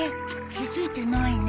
気付いてないね。